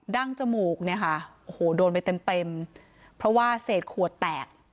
ดั้งจมูกโดนไปเต็มเพราะว่าเศษขวดแตก